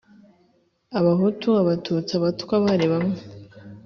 Abahutu, Abatutsi, Abatwa, bari bamwe